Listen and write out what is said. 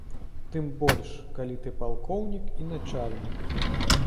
Тым больш, калі ты палкоўнік і начальнік.